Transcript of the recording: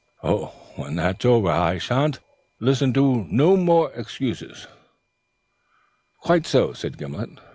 When that's over I shan't listen to no more excuses." "Quite so," said Gimblet.